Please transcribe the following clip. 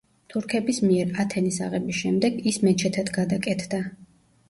თურქების მიერ ათენის აღების შემდეგ ის მეჩეთად გადაკეთდა.